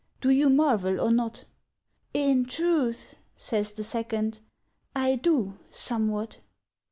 "Do you marvel or not?" "In truth," says the second, "I do—somewhat."